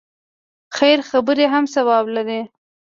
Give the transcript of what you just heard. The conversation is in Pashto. خیر خبرې هم ثواب لري.